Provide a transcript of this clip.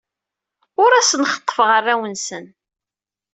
Ur asen-xeḍḍfeɣ arraw-nsen.